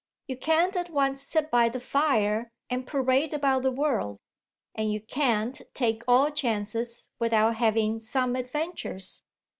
You can't at once sit by the fire and parade about the world, and you can't take all chances without having some adventures.